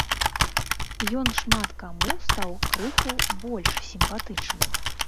Ён шмат каму стаў крыху больш сімпатычны.